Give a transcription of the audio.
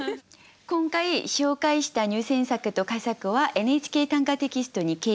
今回紹介した入選作と佳作は「ＮＨＫ短歌」テキストに掲載されます。